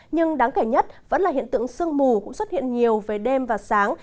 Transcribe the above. nhưng đáng kể nhất vẫn là hiện tượng sương mù cũng xuất hiện nhiều về đêm và sáng